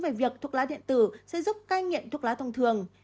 về việc thuốc lá điện tử sẽ giúp cai nghiện thuốc lá thông thường